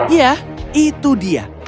iya itu dia